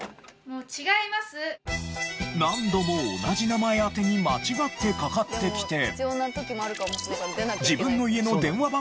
何度も同じ名前宛てに間違ってかかってきて。